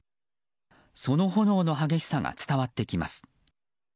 その炎の激しさが伝わってきます。